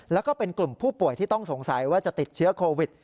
แล้วก็เป็นกลุ่มผู้ป่วยที่ต้องสงสัยว่าจะติดเชื้อโควิด